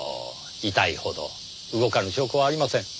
遺体ほど動かぬ証拠はありません。